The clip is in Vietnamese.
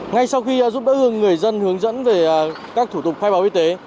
ngay sau khi giúp đỡ người dân hướng dẫn về các thủ tục khai báo y tế